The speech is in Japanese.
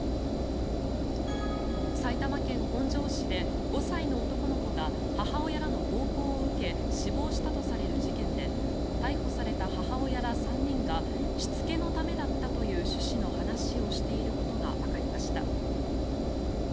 埼玉県本庄市で５歳の男の子が母親らの暴行を受け死亡したとされる事件で逮捕された母親ら３人がしつけのためだったという趣旨の話をしていることがわかりました。